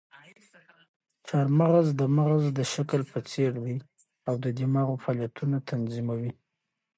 چهارمغز د مغز د شکل په څېر دي او د دماغو فعالیتونه تنظیموي.